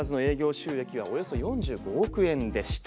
収益はおよそ４５億円でした。